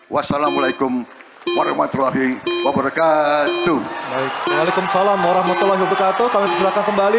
wassalamu alaikum warahmatullahi wabarakatuh